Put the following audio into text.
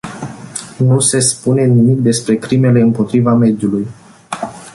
Nu se spune nimic despre crimele împotriva mediului.